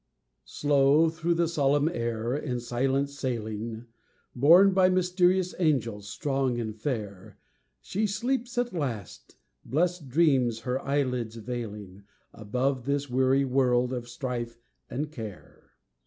Slow through the solemn air, in silence sailing, Borne by mysterious angels, strong and fair, She sleeps at last, blest dreams her eyelids veiling, Above this weary world of strife and care.